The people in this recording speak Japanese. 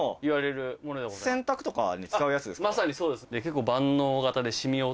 まさにそうです。